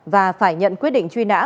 và phải nhận quyết định truy nã